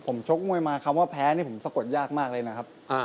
ผมชกมวยมาคำว่าแพ้นี่ผมสะกดยากมากเลยนะครับ